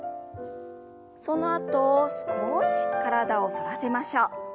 そのあと少し体を反らせましょう。